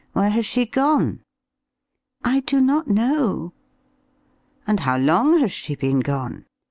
Where has she gone?" "I do not know." "And how long has she been gone?"